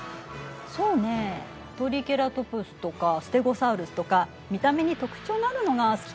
そうねえトリケラトプスとかステゴサウルスとか見た目に特徴があるのが好きかなあ。